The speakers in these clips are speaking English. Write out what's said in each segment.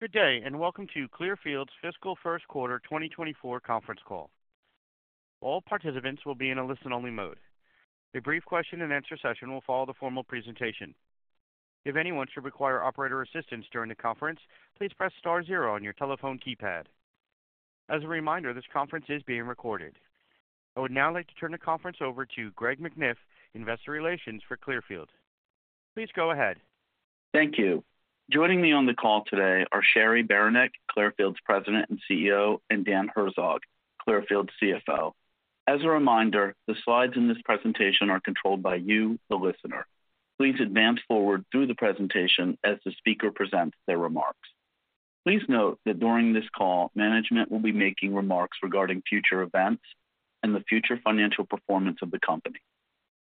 Good day, and welcome to Clearfield's Fiscal Q1 2024 conference call. All participants will be in a listen-only mode. A brief question and answer session will follow the formal presentation. If anyone should require operator assistance during the conference, please press star zero on your telephone keypad. As a reminder, this conference is being recorded. I would now like to turn the conference over to Greg McNiff, Investor Relations for Clearfield. Please go ahead. Thank you. Joining me on the call today are Cheri Beranek, Clearfield's President and CEO, and Dan Herzog, Clearfield's CFO. As a reminder, the slides in this presentation are controlled by you, the listener. Please advance forward through the presentation as the speaker presents their remarks. Please note that during this call, management will be making remarks regarding future events and the future financial performance of the company.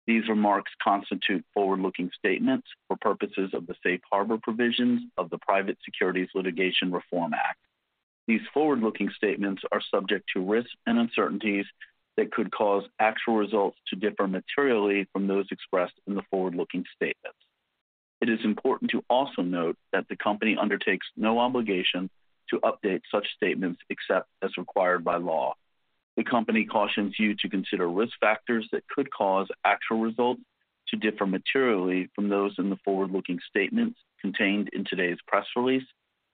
These remarks constitute forward-looking statements for purposes of the safe harbor provisions of the Private Securities Litigation Reform Act. These forward-looking statements are subject to risks and uncertainties that could cause actual results to differ materially from those expressed in the forward-looking statements. It is important to also note that the company undertakes no obligation to update such statements except as required by law. The company cautions you to consider risk factors that could cause actual results to differ materially from those in the forward-looking statements contained in today's press release,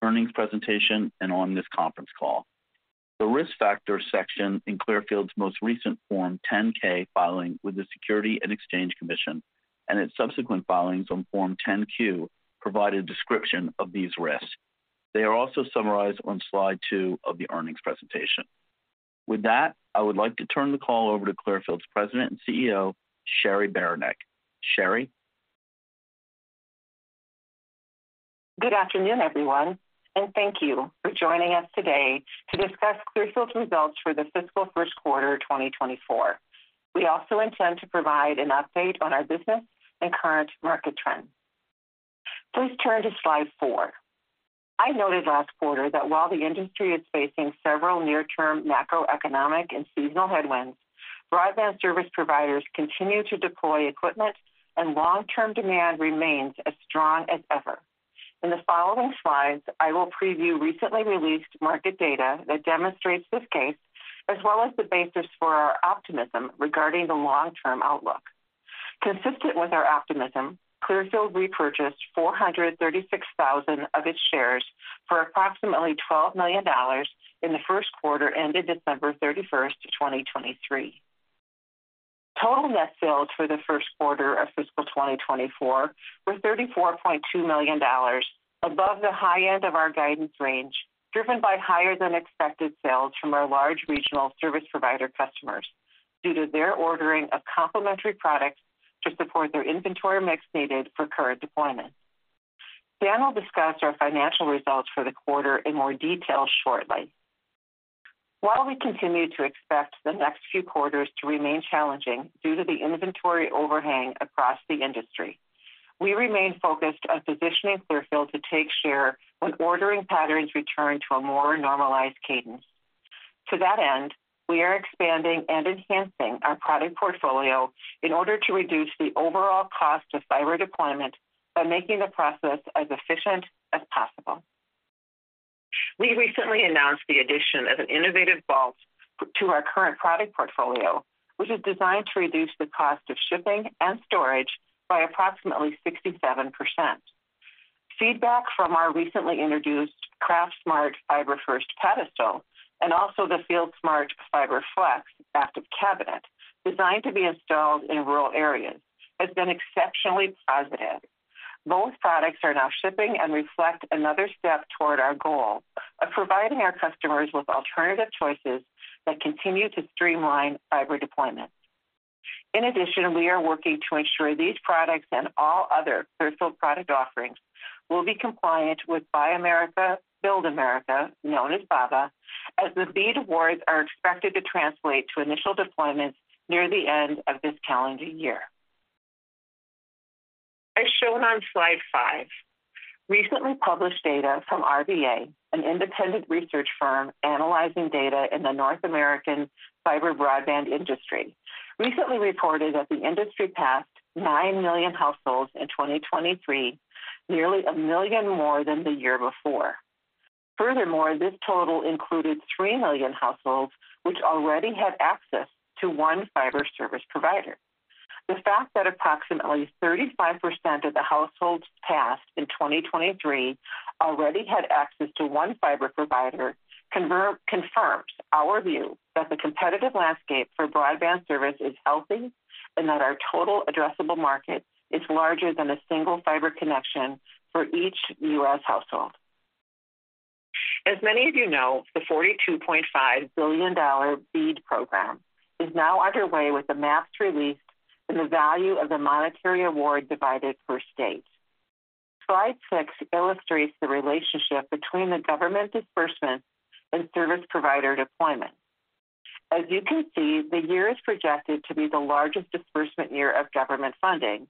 earnings presentation, and on this conference call. The Risk Factors section in Clearfield's most recent Form 10-K filing with the Securities and Exchange Commission and its subsequent filings on Form 10-Q provide a description of these risks. They are also summarized on slide two of the earnings presentation. With that, I would like to turn the call over to Clearfield's President and CEO, Cheri Beranek. Cheri? Good afternoon, everyone, and thank you for joining us today to discuss Clearfield's results for the fiscal Q1 2024. We also intend to provide an update on our business and current market trends. Please turn to slide four. I noted last quarter that while the industry is facing several near-term macroeconomic and seasonal headwinds, broadband service providers continue to deploy equipment and long-term demand remains as strong as ever. In the following slides, I will preview recently released market data that demonstrates this case, as well as the basis for our optimism regarding the long-term outlook. Consistent with our optimism, Clearfield repurchased 436,000 of its shares for approximately $12 million in the Q1, ended December 31, 2023. Total net sales for the Q1 of fiscal 2024 were $34.2 million, above the high end of our guidance range, driven by higher than expected sales from our large regional service provider customers due to their ordering of complementary products to support their inventory mix needed for current deployments. Dan will discuss our financial results for the quarter in more detail shortly. While we continue to expect the next few quarters to remain challenging due to the inventory overhang across the industry, we remain focused on positioning Clearfield to take share when ordering patterns return to a more normalized cadence. To that end, we are expanding and enhancing our product portfolio in order to reduce the overall cost of fiber deployment by making the process as efficient as possible. We recently announced the addition of an innovative vault to our current product portfolio, which is designed to reduce the cost of shipping and storage by approximately 67%. Feedback from our recently introduced CraftSmart FiberFirst pedestal and also the FieldSmart FiberFlex active cabinet, designed to be installed in rural areas, has been exceptionally positive. Both products are now shipping and reflect another step toward our goal of providing our customers with alternative choices that continue to streamline fiber deployment. In addition, we are working to ensure these products and all other Clearfield product offerings will be compliant with Buy America, Build America, known as BABA, as the BEAD awards are expected to translate to initial deployments near the end of this calendar year. As shown on slide five, recently published data from RVA, an independent research firm analyzing data in the North American fiber broadband industry, recently reported that the industry passed 9 million households in 2023, nearly 1 million more than the year before. Furthermore, this total included 3 million households which already had access to one fiber service provider. The fact that approximately 35% of the households passed in 2023 already had access to one fiber provider confirms our view that the competitive landscape for broadband service is healthy and that our total addressable market is larger than a single fiber connection for each U.S. household. As many of you know, the $42.5 billion BEAD program is now underway, with the maps released and the value of the monetary award divided per state. Slide six illustrates the relationship between the government disbursement and service provider deployment. As you can see, the year is projected to be the largest disbursement year of government funding.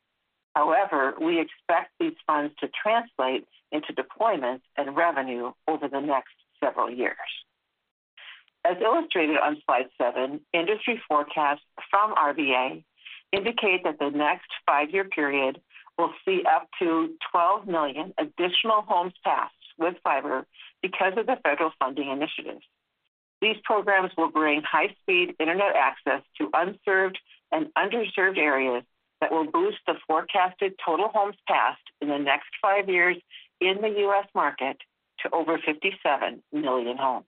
However, we expect these funds to translate into deployments and revenue over the next several years. As illustrated on Slide seven, industry forecasts from RVA indicate that the next five-year period will see up to 12 million additional homes passed with fiber because of the federal funding initiative. These programs will bring high-speed Internet access to unserved and underserved areas that will boost the forecasted total homes passed in the next five years in the U.S. market to over 57 million homes.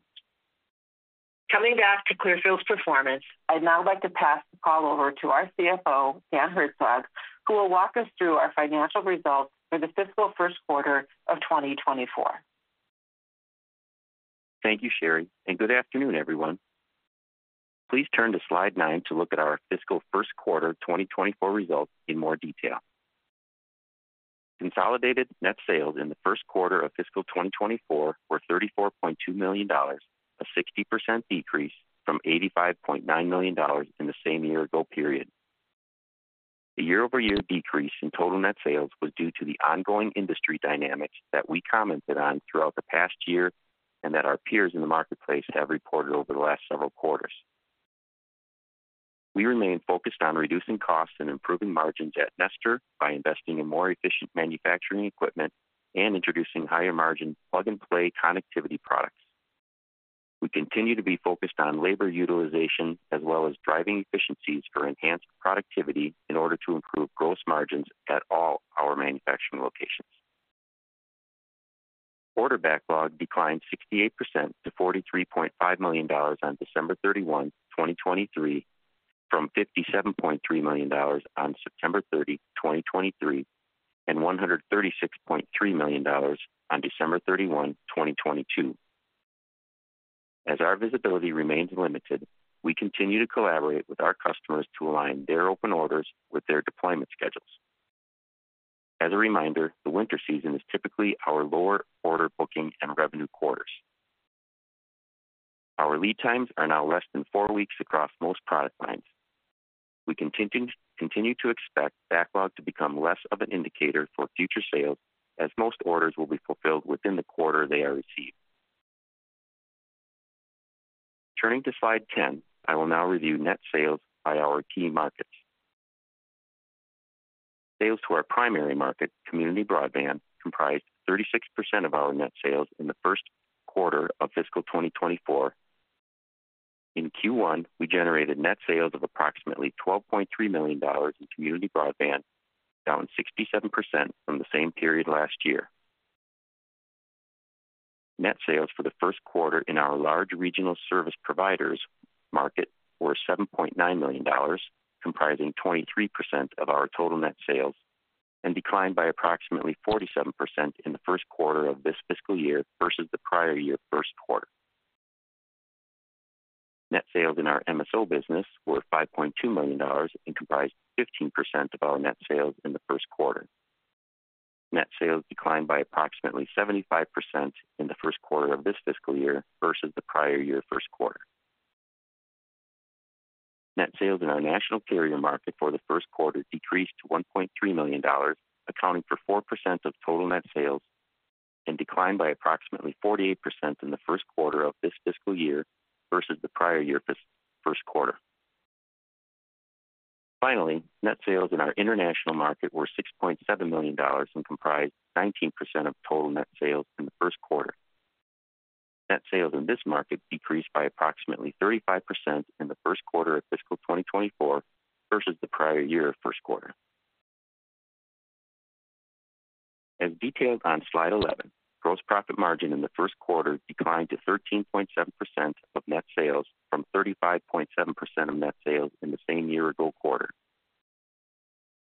Coming back to Clearfield's performance, I'd now like to pass the call over to our CFO, Dan Herzog, who will walk us through our financial results for the fiscal Q1 of 2024. Thank you, Cheri, and good afternoon, everyone. Please turn to Slide nine to look at our fiscal Q1 2024 results in more detail. Consolidated net sales in the Q1 of fiscal 2024 were $34.2 million, a 60% decrease from $85.9 million in the same year-ago period. The year-over-year decrease in total net sales was due to the ongoing industry dynamics that we commented on throughout the past year and that our peers in the marketplace have reported over the last several quarters. We remain focused on reducing costs and improving margins at Nestor by investing in more efficient manufacturing equipment and introducing higher-margin plug-and-play connectivity products. We continue to be focused on labor utilization as well as driving efficiencies for enhanced productivity in order to improve gross margins at all our manufacturing locations. Order backlog declined 68% to $43.5 million on December 31, 2023, from $57.3 million on September 30, 2023, and $136.3 million on December 31, 2022. As our visibility remains limited, we continue to collaborate with our customers to align their open orders with their deployment schedules. As a reminder, the winter season is typically our lower order, booking, and revenue quarters. Our lead times are now less than four weeks across most product lines. We continue to expect backlog to become less of an indicator for future sales, as most orders will be fulfilled within the quarter they are received. Turning to Slide 10, I will now review net sales by our key markets. Sales to our primary market, Community Broadband, comprised 36% of our net sales in the Q1 of fiscal 2024. In Q1, we generated net sales of approximately $12.3 million in community broadband, down 67% from the same period last year. Net sales for the Q1 in our large regional service providers market were $7.9 million, comprising 23% of our total net sales, and declined by approximately 47% in the Q1 of this fiscal year versus the prior year Q1. Net sales in our MSO business were $5.2 million and comprised 15% of our net sales in the Q1. Net sales declined by approximately 75% in the Q1 of this fiscal year versus the prior year Q1. Net sales in our national carrier market for the Q1 decreased to $1.3 million, accounting for 4% of total net sales, and declined by approximately 48% in the Q1 of this fiscal year versus the prior year Q1. Finally, net sales in our international market were $6.7 million and comprised 19% of total net sales in the Q1. Net sales in this market decreased by approximately 35% in the Q1 of fiscal 2024 versus the prior year Q1. As detailed on Slide 11, gross profit margin in the Q1 declined to 13.7% of net sales from 35.7% of net sales in the same year-ago quarter.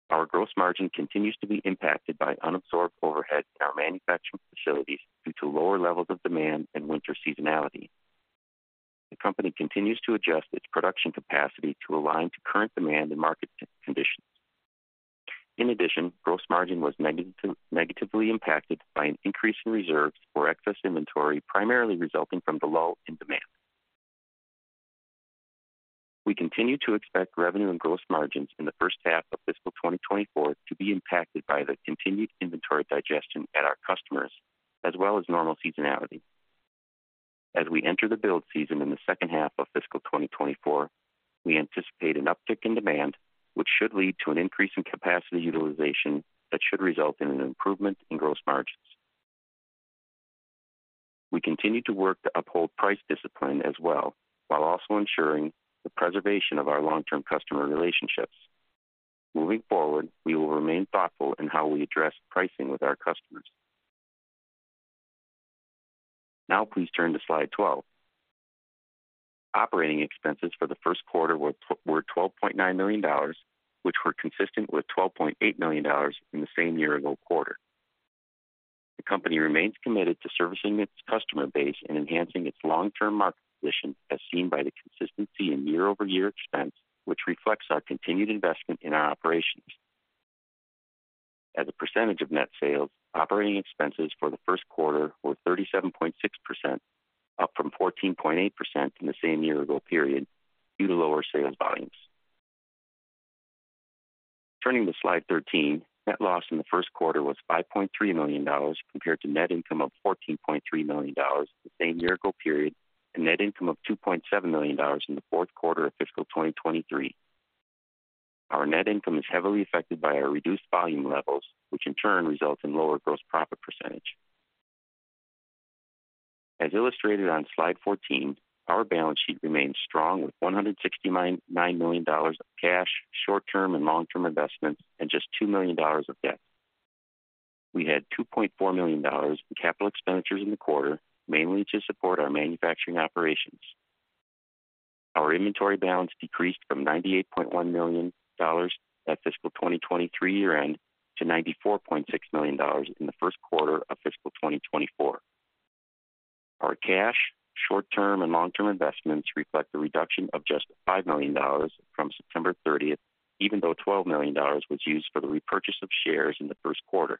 Our gross margin continues to be impacted by unabsorbed overhead in our manufacturing facilities due to lower levels of demand and winter seasonality. The company continues to adjust its production capacity to align to current demand and market conditions. In addition, gross margin was negatively impacted by an increase in reserves for excess inventory, primarily resulting from the lull in demand. We continue to expect revenue and gross margins in the first half of fiscal 2024 to be impacted by the continued inventory digestion at our customers, as well as normal seasonality. As we enter the build season in the second half of fiscal 2024, we anticipate an uptick in demand, which should lead to an increase in capacity utilization that should result in an improvement in gross margins. We continue to work to uphold price discipline as well, while also ensuring the preservation of our long-term customer relationships. Moving forward, we will remain thoughtful in how we address pricing with our customers. Now please turn to Slide 12. Operating expenses for the Q1 were $12.9 million, which were consistent with $12.8 million in the same year-ago quarter. The company remains committed to servicing its customer base and enhancing its long-term market position, as seen by the consistency in year-over-year expense, which reflects our continued investment in our operations. As a percentage of net sales, operating expenses for the Q1 were 37.6%, up from 14.8% in the same year-ago period, due to lower sales volumes.... Turning to Slide 13, net loss in the Q1 was $5.3 million, compared to net income of $14.3 million the same year-ago period, and net income of $2.7 million in the Q4 of fiscal 2023. Our net income is heavily affected by our reduced volume levels, which in turn results in lower gross profit percentage. As illustrated on Slide 14, our balance sheet remains strong, with $169 million of cash, short-term and long-term investments, and just $2 million of debt. We had $2.4 million in capital expenditures in the quarter, mainly to support our manufacturing operations. Our inventory balance decreased from $98.1 million at fiscal 2023 year-end to $94.6 million in the Q1 of fiscal 2024. Our cash, short-term and long-term investments reflect a reduction of just $5 million from September thirtieth, even though $12 million was used for the repurchase of shares in the Q1.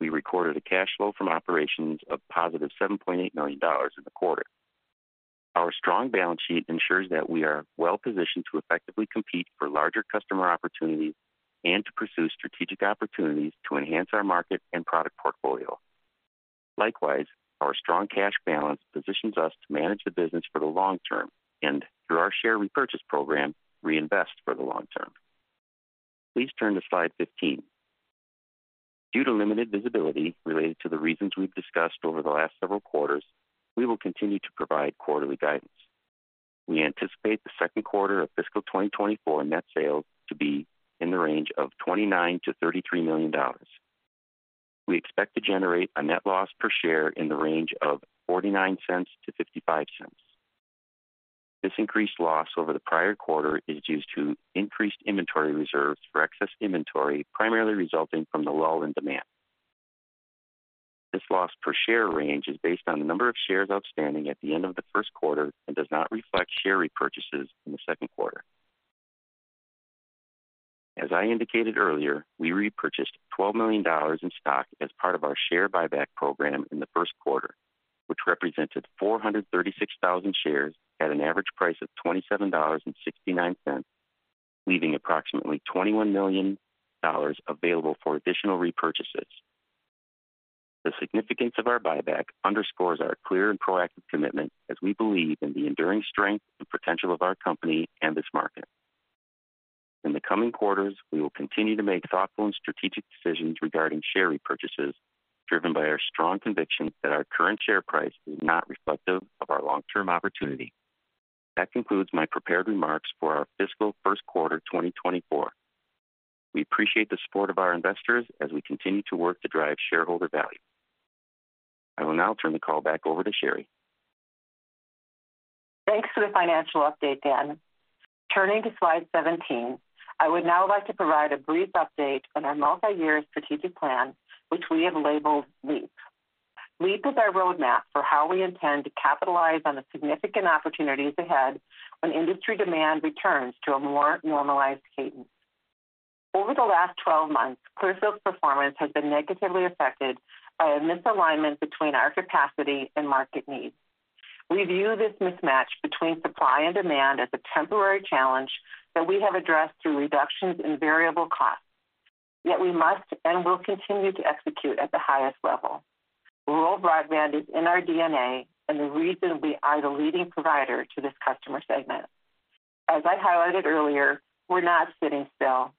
We recorded a cash flow from operations of positive $7.8 million in the quarter. Our strong balance sheet ensures that we are well positioned to effectively compete for larger customer opportunities and to pursue strategic opportunities to enhance our market and product portfolio. Likewise, our strong cash balance positions us to manage the business for the long term and, through our share repurchase program, reinvest for the long term. Please turn to slide 15. Due to limited visibility related to the reasons we've discussed over the last several quarters, we will continue to provide quarterly guidance. We anticipate the Q2 of fiscal 2024 net sales to be in the range of $29 million to $33 million. We expect to generate a net loss per share in the range of $0.49-$0.55. This increased loss over the prior quarter is due to increased inventory reserves for excess inventory, primarily resulting from the lull in demand. This loss per share range is based on the number of shares outstanding at the end of the Q1 and does not reflect share repurchases in the Q2. As I indicated earlier, we repurchased $12 million in stock as part of our share buyback program in the Q1, which represented 436,000 shares at an average price of $27.69, leaving approximately $21 million available for additional repurchases. The significance of our buyback underscores our clear and proactive commitment, as we believe in the enduring strength and potential of our company and this market. In the coming quarters, we will continue to make thoughtful and strategic decisions regarding share repurchases, driven by our strong conviction that our current share price is not reflective of our long-term opportunity. That concludes my prepared remarks for our fiscal Q1 2024. We appreciate the support of our investors as we continue to work to drive shareholder value. I will now turn the call back over to Cheri. Thanks for the financial update, Dan. Turning to slide 17, I would now like to provide a brief update on our multi-year strategic plan, which we have labeled LEAP. LEAP is our roadmap for how we intend to capitalize on the significant opportunities ahead when industry demand returns to a more normalized cadence. Over the last 12 months, Clearfield's performance has been negatively affected by a misalignment between our capacity and market needs. We view this mismatch between supply and demand as a temporary challenge that we have addressed through reductions in variable costs. Yet we must and will continue to execute at the highest level. Rural broadband is in our DNA and the reason we are the leading provider to this customer segment. As I highlighted earlier, we're not sitting still.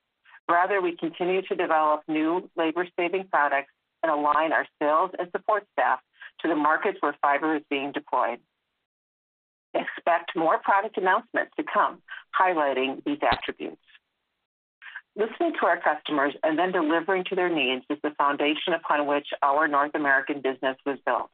Rather, we continue to develop new labor-saving products and align our sales and support staff to the markets where fiber is being deployed. Expect more product announcements to come highlighting these attributes. Listening to our customers and then delivering to their needs is the foundation upon which our North American business was built.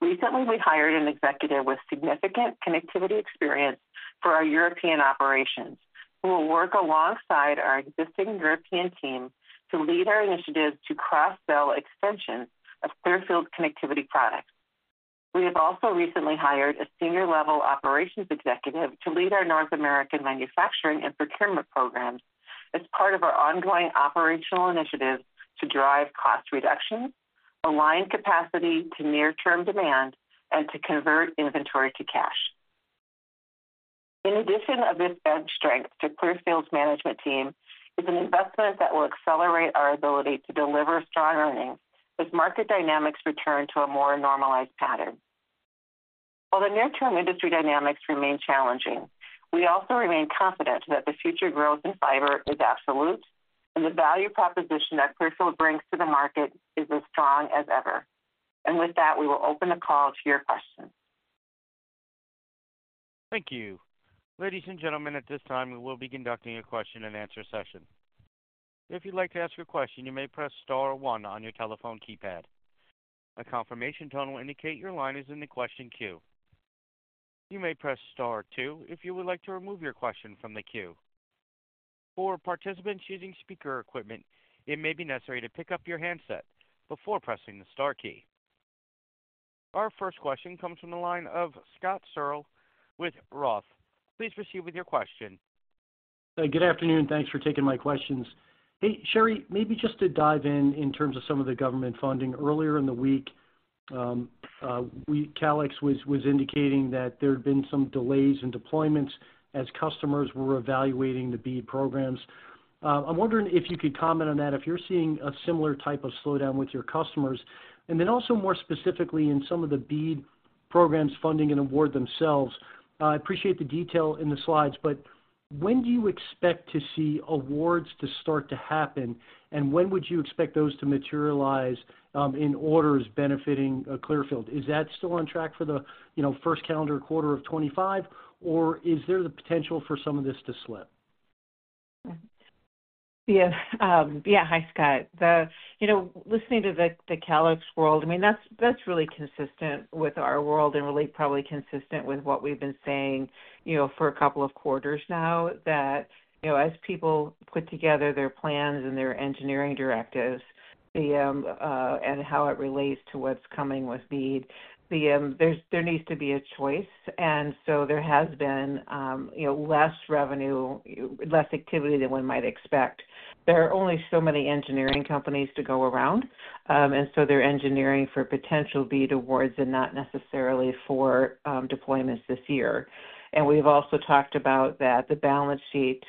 Recently, we hired an executive with significant connectivity experience for our European operations, who will work alongside our existing European team to lead our initiatives to cross-sell extensions of Clearfield connectivity products. We have also recently hired a senior level operations executive to lead our North American manufacturing and procurement programs as part of our ongoing operational initiatives to drive cost reductions, align capacity to near-term demand, and to convert inventory to cash. In addition to this added strength to Clearfield's management team is an investment that will accelerate our ability to deliver strong earnings as market dynamics return to a more normalized pattern. While the near-term industry dynamics remain challenging, we also remain confident that the future growth in fiber is absolute and the value proposition that Clearfield brings to the market is as strong as ever. With that, we will open the call to your questions. Thank you. Ladies and gentlemen, at this time, we will be conducting a question-and-answer session. If you'd like to ask a question, you may press star one on your telephone keypad. A confirmation tone will indicate your line is in the question queue. You may press star two if you would like to remove your question from the queue. For participants using speaker equipment, it may be necessary to pick up your handset before pressing the star key. Our first question comes from the line of Scott Searle with Roth. Please proceed with your question. Good afternoon. Thanks for taking my questions. Hey, Cheri, maybe just to dive in, in terms of some of the government funding. Earlier in the week, Calix was indicating that there had been some delays in deployments as customers were evaluating the BEAD programs. I'm wondering if you could comment on that, if you're seeing a similar type of slowdown with your customers? And then also, more specifically, in some of the BEAD programs, funding, and award themselves, I appreciate the detail in the slides, but when do you expect to see awards to start to happen, and when would you expect those to materialize, in orders benefiting Clearfield? Is that still on track for the, you know, first calendar quarter of 2025, or is there the potential for some of this to slip? Yeah. Yeah. Hi, Scott. You know, listening to the Calix world, I mean, that's really consistent with our world and really probably consistent with what we've been saying, you know, for a couple of quarters now. You know, as people put together their plans and their engineering directives, and how it relates to what's coming with BEAD, there needs to be a choice, and so there has been, you know, less revenue, less activity than one might expect. There are only so many engineering companies to go around, and so they're engineering for potential BEAD awards and not necessarily for deployments this year. We've also talked about that the balance sheet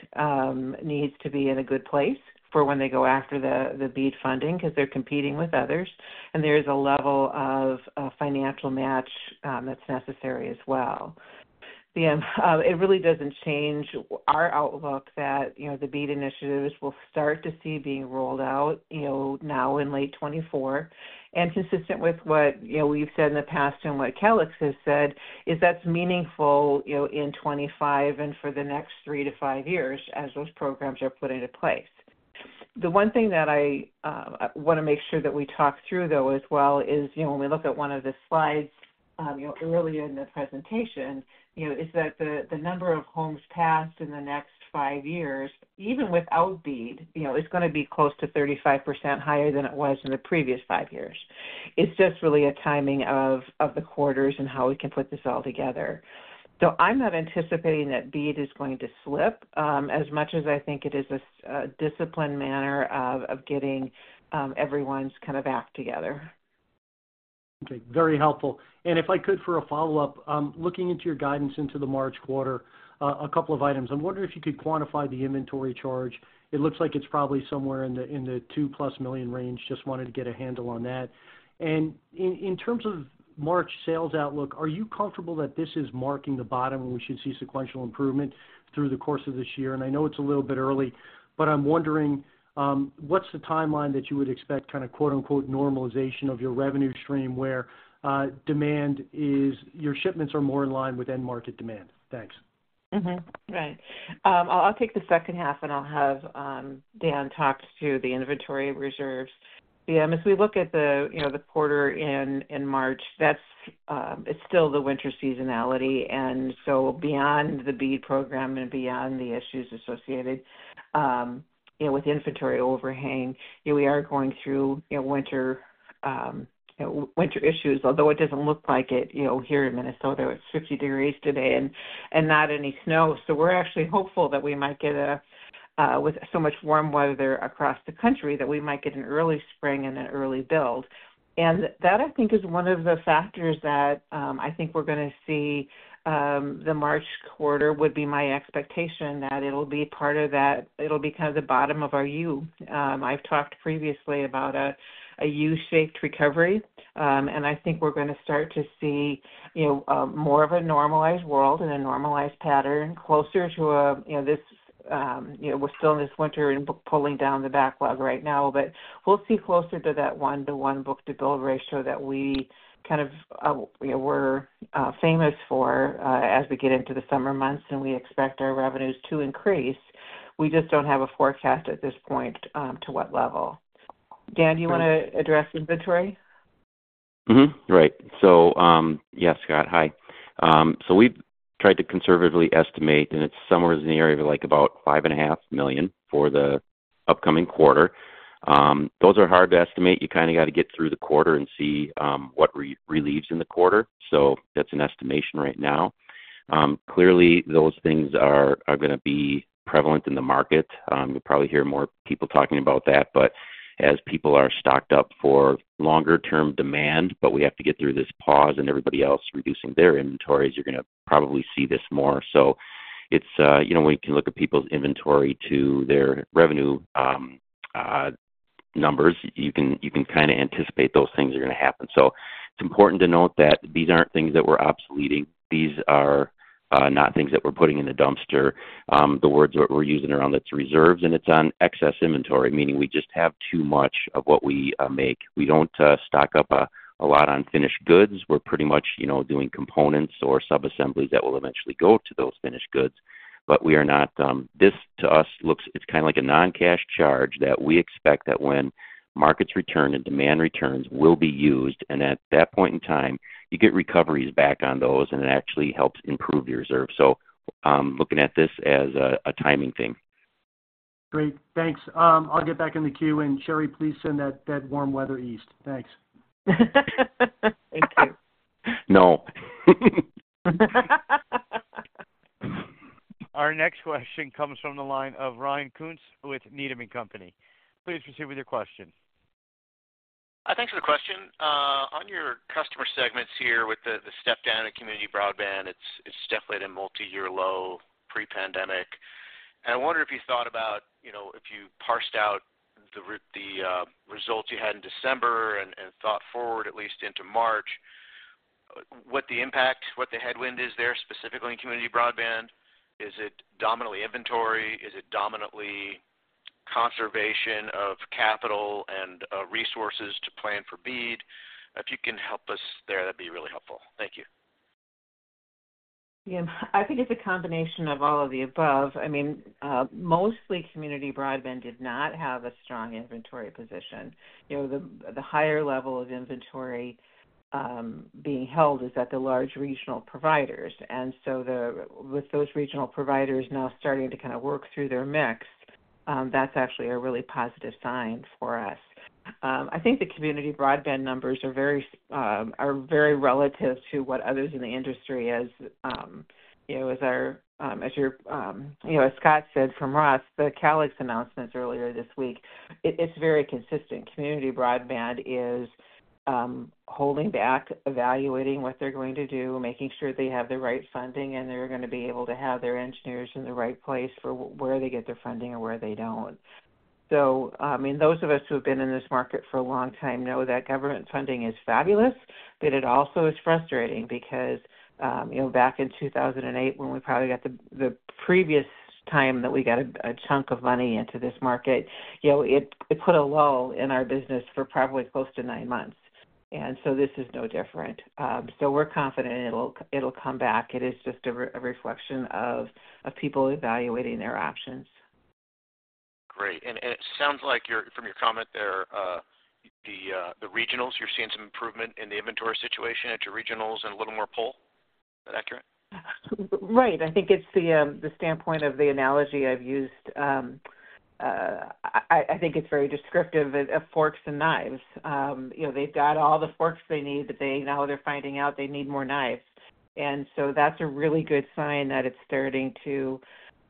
needs to be in a good place for when they go after the BEAD funding, 'cause they're competing with others, and there is a level of a financial match that's necessary as well. The, it really doesn't change our outlook that, you know, the BEAD initiatives will start to see being rolled out, you know, now in late 2024. Consistent with what, you know, we've said in the past and what Calix has said, is that's meaningful, you know, in 2025 and for the next three to five years as those programs are put into place. The one thing that I wanna make sure that we talk through, though, as well, is, you know, when we look at one of the slides, you know, earlier in the presentation, you know, is that the, the number of homes passed in the next five years, even without BEAD, you know, is gonna be close to 35% higher than it was in the previous five years. It's just really a timing of, of the quarters and how we can put this all together. So I'm not anticipating that BEAD is going to slip, as much as I think it is a disciplined manner of, of getting everyone's kind of act together. Okay, very helpful. If I could, for a follow-up, looking into your guidance into the March quarter, a couple of items. I'm wondering if you could quantify the inventory charge. It looks like it's probably somewhere in the $2+ million range. Just wanted to get a handle on that. In terms of March sales outlook, are you comfortable that this is marking the bottom, and we should see sequential improvement through the course of this year? I know it's a little bit early, but I'm wondering, what's the timeline that you would expect kind of, quote, unquote, "normalization" of your revenue stream, where demand is, your shipments are more in line with end-market demand? Thanks. Mm-hmm. Right. I'll take the second half, and I'll have Dan talk to the inventory reserves. As we look at the quarter in March, that's still the winter seasonality, and so beyond the BEAD program and beyond the issues associated you know, with inventory overhang, you know, we are going through you know, winter you know, winter issues, although it doesn't look like it. You know, here in Minnesota, it's 50 degrees Fahrenheit today and not any snow. So we're actually hopeful that with so much warm weather across the country, that we might get an early spring and an early build. And that, I think, is one of the factors that I think we're gonna see. The March quarter would be my expectation that it'll be part of that—it'll be kind of the bottom of our U. I've talked previously about a U-shaped recovery, and I think we're gonna start to see, you know, more of a normalized world and a normalized pattern closer to a, you know, this, you know, we're still in this winter and pulling down the backlog right now, but we'll see closer to that 1-to-1 book-to-bill ratio that we kind of, you know, we're famous for, as we get into the summer months, and we expect our revenues to increase. We just don't have a forecast at this point to what level. Dan, you wanna address inventory? Mm-hmm. Right. So, yeah, Scott, hi. So we've tried to conservatively estimate, and it's somewhere in the area of, like, about $5.5 million for the upcoming quarter. Those are hard to estimate. You kinda gotta get through the quarter and see what relieves in the quarter, so that's an estimation right now. Clearly, those things are gonna be prevalent in the market. You'll probably hear more people talking about that. But as people are stocked up for longer-term demand, but we have to get through this pause and everybody else reducing their inventories, you're gonna probably see this more. So it's, you know, when you can look at people's inventory to their revenue numbers, you can kinda anticipate those things are gonna happen. So it's important to note that these aren't things that we're obsoleting. These are not things that we're putting in the dumpster. The words that we're using around, it's reserves, and it's on excess inventory, meaning we just have too much of what we make. We don't stock up a lot on finished goods. We're pretty much, you know, doing components or subassemblies that will eventually go to those finished goods, but we are not... This, to us, looks, it's kinda like a non-cash charge that we expect that when markets return and demand returns, will be used. And at that point in time, you get recoveries back on those, and it actually helps improve the reserve. So, looking at this as a timing thing. Great. Thanks. I'll get back in the queue. And Cheri, please send that, that warm weather east. Thanks. Thank you. No.... Our next question comes from the line of Ryan Koontz with Needham & Company. Please proceed with your question. Thanks for the question. On your customer segments here with the step down in community broadband, it's definitely at a multiyear low pre-pandemic. And I wonder if you thought about, you know, if you parsed out the results you had in December and thought forward at least into March, what the impact, what the headwind is there, specifically in community broadband? Is it dominantly inventory? Is it dominantly conservation of capital and resources to plan for BEAD? If you can help us there, that'd be really helpful. Thank you. Yeah, I think it's a combination of all of the above. I mean, mostly Community Broadband did not have a strong inventory position. You know, the higher level of inventory being held is at the large regional providers. And so with those regional providers now starting to kind of work through their mix, that's actually a really positive sign for us. I think the Community Broadband numbers are very relative to what others in the industry, as you know, as Scott said from Roth, the Calix announcements earlier this week, it's very consistent. Community Broadband is holding back, evaluating what they're going to do, making sure they have the right funding, and they're gonna be able to have their engineers in the right place for where they get their funding and where they don't. So, I mean, those of us who have been in this market for a long time know that government funding is fabulous, but it also is frustrating because, you know, back in 2008, when we probably got the previous time that we got a chunk of money into this market, you know, it put a lull in our business for probably close to nine months, and so this is no different. So we're confident it'll come back. It is just a reflection of people evaluating their options. Great. And it sounds like you're, from your comment there, the regionals, you're seeing some improvement in the inventory situation at your regionals and a little more pull. Is that accurate? Right. I think it's the standpoint of the analogy I've used. I think it's very descriptive of forks and knives. You know, they've got all the forks they need, but they now they're finding out they need more knives. And so that's a really good sign that it's starting to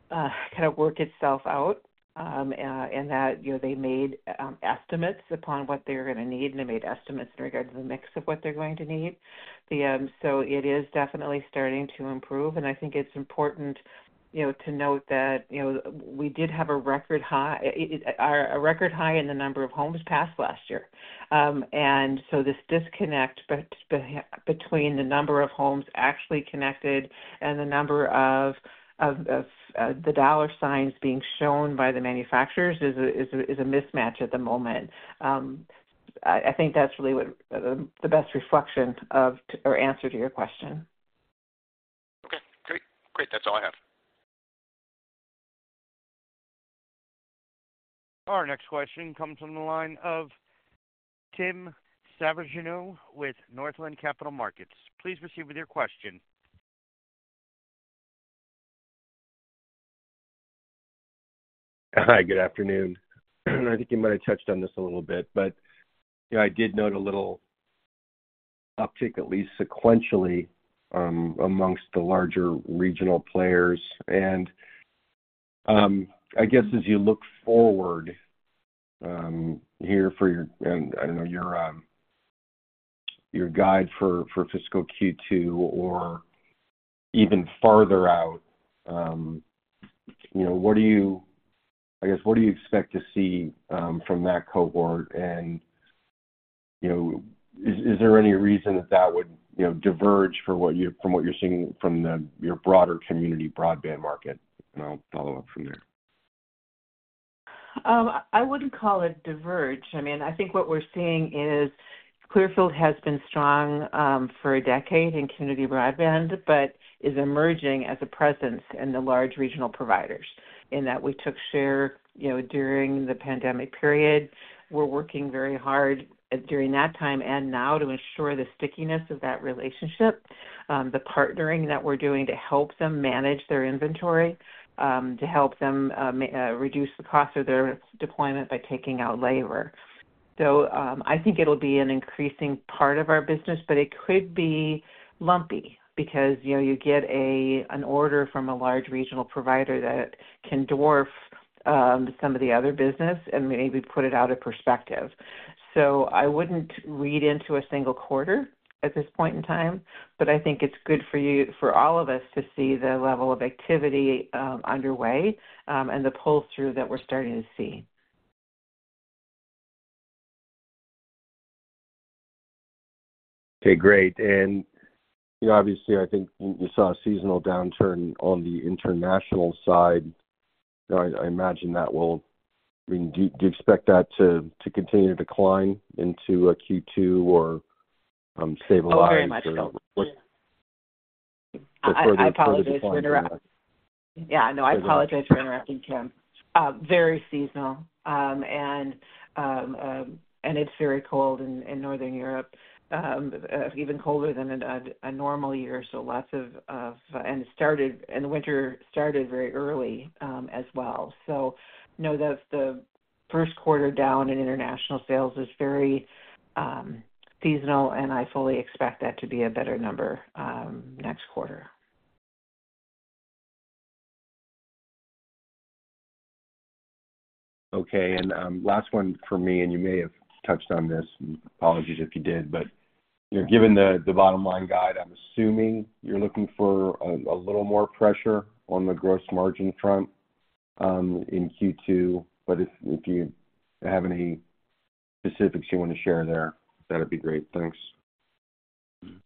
kind of work itself out, and that, you know, they made estimates upon what they're gonna need, and they made estimates in regards to the mix of what they're going to need. So it is definitely starting to improve, and I think it's important, you know, to note that, you know, we did have a record high, a record high in the number of homes passed last year. This disconnect between the number of homes actually connected and the number of the dollar signs being shown by the manufacturers is a mismatch at the moment. I think that's really what the best reflection of, or answer to your question. Okay, great. Great. That's all I have. Our next question comes from the line of Tim Savageaux with Northland Capital Markets. Please proceed with your question. Hi, good afternoon. I think you might have touched on this a little bit, but, you know, I did note a little uptick, at least sequentially, amongst the larger regional players. And, I guess as you look forward, here for your, and I don't know, your, your guide for, for fiscal Q2 or even farther out, you know, what do you, I guess, what do you expect to see, from that cohort? And, you know, is, is there any reason that that would, you know, diverge from what you, from what you're seeing from the, your broader community broadband market? And I'll follow up from there. I wouldn't call it diverge. I mean, I think what we're seeing is Clearfield has been strong for a decade in community broadband, but is emerging as a presence in the large regional providers, in that we took share, you know, during the pandemic period. We're working very hard during that time and now to ensure the stickiness of that relationship, the partnering that we're doing to help them manage their inventory, to help them reduce the cost of their deployment by taking out labor. So, I think it'll be an increasing part of our business, but it could be lumpy because, you know, you get a, an order from a large regional provider that can dwarf some of the other business and maybe put it out of perspective. So I wouldn't read into a single quarter at this point in time, but I think it's good for you, for all of us to see the level of activity, underway, and the pull-through that we're starting to see. Okay, great. And, you know, obviously, I think we saw a seasonal downturn on the international side. I imagine that will... I mean, do you expect that to continue to decline into Q2 or stabilize? Oh, very much so. Or further decline. I apologize for interrupting. Yeah, no, I apologize for interrupting, Tim. Very seasonal. And it's very cold in Northern Europe, even colder than a normal year, so lots of, and it started, and the winter started very early, as well. So no, Q1 down in international sales is very seasonal, and I fully expect that to be a better number next quarter. Okay. Last one from me, and you may have touched on this, apologies if you did, but, you know, given the bottom line guide, I'm assuming you're looking for a little more pressure on the gross margin front, in Q2. But if you have any specifics you want to share there, that'd be great. Thanks. Mm-hmm.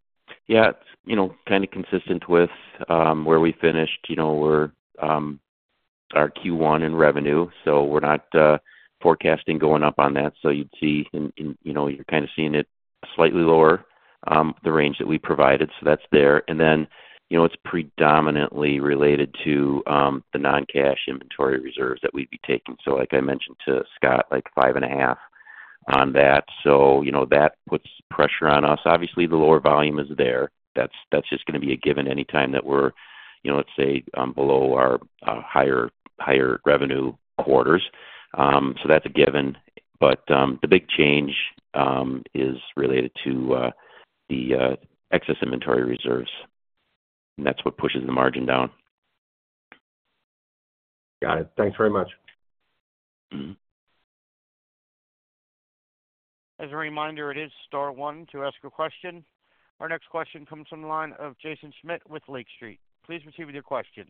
Yeah, it's, you know, kinda consistent with where we finished, you know, we're our Q1 in revenue, so we're not forecasting going up on that. So you'd see in, you know, you're kinda seeing it slightly lower, the range that we provided, so that's there. And then, you know, it's predominantly related to the non-cash inventory reserves that we'd be taking. So like I mentioned to Scott, like $5.5 million on that. So, you know, that puts pressure on us. Obviously, the lower volume is there. That's, that's just gonna be a given anytime that we're, you know, let's say, below our higher revenue quarters. So that's a given. But the big change is related to the excess inventory reserves, and that's what pushes the margin down. Got it. Thanks very much. Mm-hmm. As a reminder, it is star one to ask a question. Our next question comes from the line of Jaeson Schmidt with Lake Street. Please proceed with your question.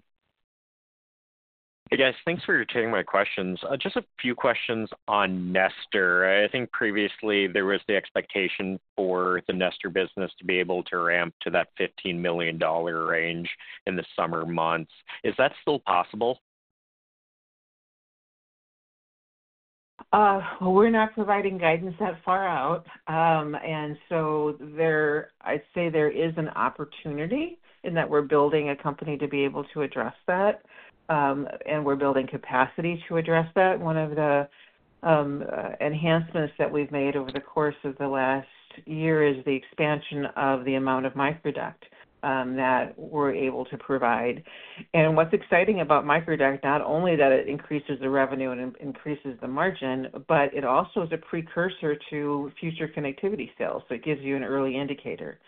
Hey, guys. Thanks for taking my questions. Just a few questions on Nestor. I think previously there was the expectation for the Nestor business to be able to ramp to that $15 million range in the summer months. Is that still possible? We're not providing guidance that far out. And so there—I'd say there is an opportunity in that we're building a company to be able to address that, and we're building capacity to address that. One of the enhancements that we've made over the course of the last year is the expansion of the amount of microduct that we're able to provide. And what's exciting about microduct, not only that it increases the revenue and increases the margin, but it also is a precursor to future connectivity sales, so it gives you an early indicator.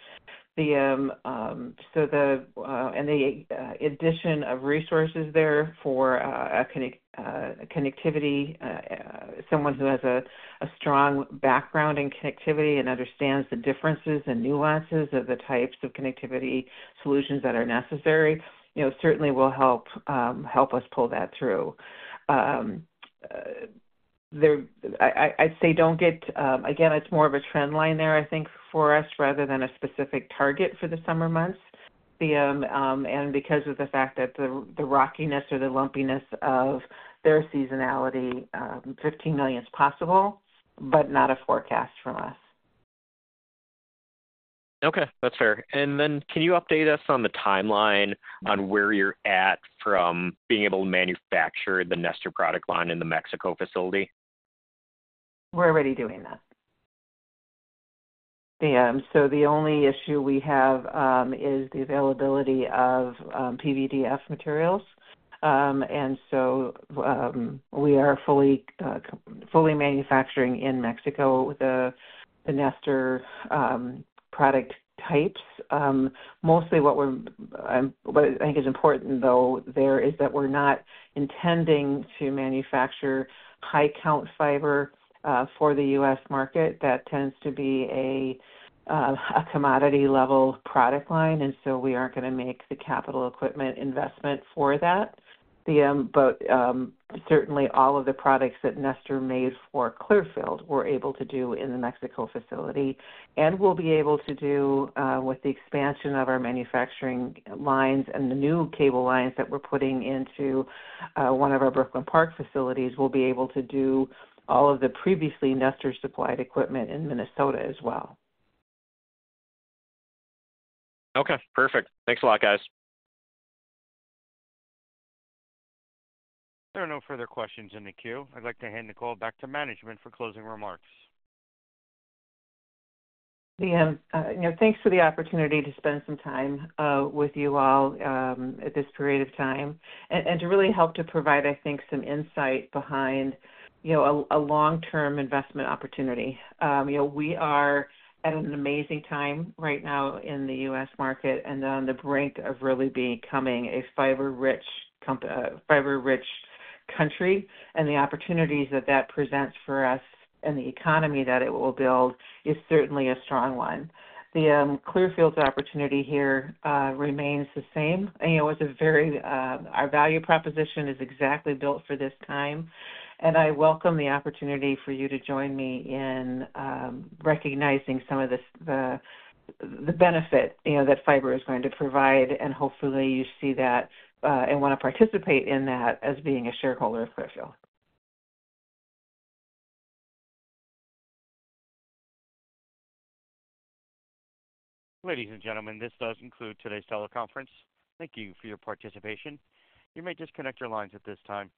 So the addition of resources there for connectivity, someone who has a strong background in connectivity and understands the differences and nuances of the types of connectivity solutions that are necessary, you know, certainly will help us pull that through. There, I'd say don't get... Again, it's more of a trend line there, I think, for us, rather than a specific target for the summer months. And because of the fact that the rockiness or the lumpiness of their seasonality, $15 million is possible, but not a forecast from us. Okay, that's fair. And then, can you update us on the timeline on where you're at from being able to manufacture the Nestor product line in the Mexico facility? We're already doing that. So the only issue we have is the availability of PVDF materials. And so we are fully manufacturing in Mexico the Nestor product types. Mostly what I think is important though there is that we're not intending to manufacture high count fiber for the U.S. market. That tends to be a commodity level product line, and so we aren't gonna make the capital equipment investment for that. But certainly all of the products that Nestor made for Clearfield, we're able to do in the Mexico facility, and we'll be able to do with the expansion of our manufacturing lines and the new cable lines that we're putting into one of our Brooklyn Park facilities. We'll be able to do all of the previously Nestor-supplied equipment in Minnesota as well. Okay, perfect. Thanks a lot, guys. There are no further questions in the queue. I'd like to hand the call back to management for closing remarks. You know, thanks for the opportunity to spend some time with you all at this period of time, and to really help to provide, I think, some insight behind, you know, a long-term investment opportunity. You know, we are at an amazing time right now in the U.S. market and on the brink of really becoming a fiber-rich country. And the opportunities that that presents for us and the economy that it will build is certainly a strong one. The Clearfield opportunity here remains the same. You know, it's a very, our value proposition is exactly built for this time, and I welcome the opportunity for you to join me in recognizing some of the benefit, you know, that fiber is going to provide. Hopefully, you see that and wanna participate in that as being a shareholder of Clearfield. Ladies and gentlemen, this does conclude today's teleconference. Thank you for your participation. You may disconnect your lines at this time.